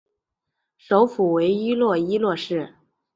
首府为伊洛伊洛市。